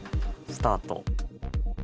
スタート。